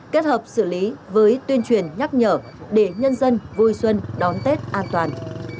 kết hợp xử lý với tuyên truyền nhắc nhở để nhân dân vui xuân đón tết an toàn